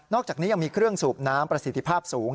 อกจากนี้ยังมีเครื่องสูบน้ำประสิทธิภาพสูง